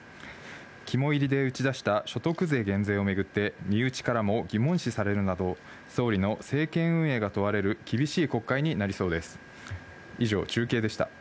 肝いりで打ち出した所得税減税を巡って身内からも疑問視されるなど、総理の政権運営が問われる厳しい国会になりそうです。